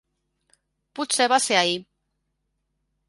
Potser va ser ahir.